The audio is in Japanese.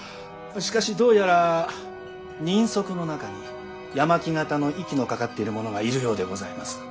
しかしどうやら人足の中に八巻方の息のかかっている者がいるようでございます。